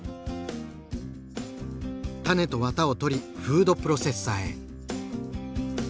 タネとワタを取りフードプロセッサーへ。